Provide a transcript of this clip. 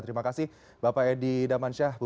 terima kasih bapak edi damansyah